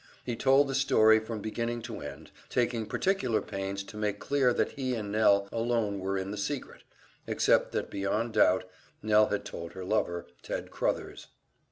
He told the story from beginning to end, taking particular pains to make clear that he and Nell alone were in the secret except that beyond doubt Nell had told her lover, Ted Crothers.